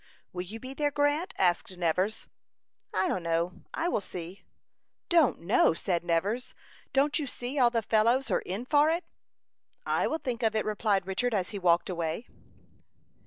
"Will you be there, Grant?" asked Nevers. "I don't know. I will see." "Don't know?" said Nevers. "Don't you see all the fellows are in for it?" "I will think of it," replied Richard, as he walked away.